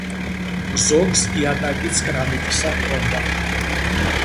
ზოგს იატაკიც კრამიტისა ჰქონდა.